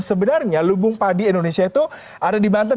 sebenarnya lubung padi indonesia itu ada di banten